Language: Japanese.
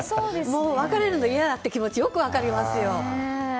別れるのが嫌だという気持ちがよく分かりますよ。